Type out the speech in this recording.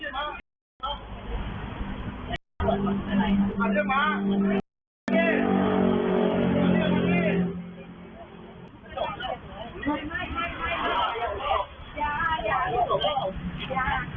ไม่อย่าอยากหยุดเลยอย่าอยาก